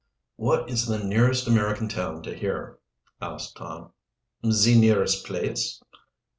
"What is the nearest American town to here?" asked Tom. "Ze nearest place?"